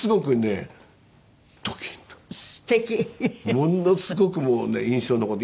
ものすごくもうね印象に残って。